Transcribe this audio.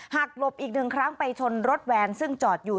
หลบอีกหนึ่งครั้งไปชนรถแวนซึ่งจอดอยู่